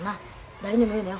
誰にも言うなよ。